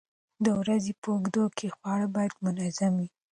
د ورځې په اوږدو کې خواړه باید منظم وي.